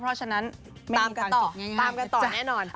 เพราะฉะนั้นตามกันต่อตามกันต่อแน่นอน